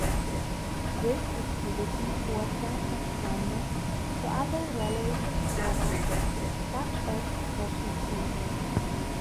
This activity was then expanded to other related products, such as cashew seed.